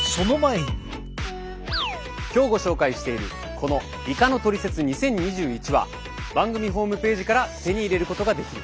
今日ご紹介しているこの「イカのトリセツ２０２１」は番組ホームページから手に入れることができる。